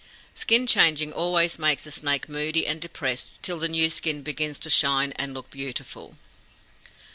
Skin changing always makes a snake moody and depressed till the new skin begins to shine and look beautiful.